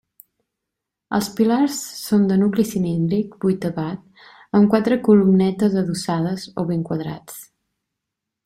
Els pilars són de nucli cilíndric vuitavat amb quatre columnetes adossades o ben quadrats.